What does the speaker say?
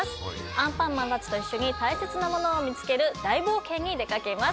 アンパンマンたちと一緒に大切なものを見つける大冒険に出かけます。